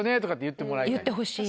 言ってほしい。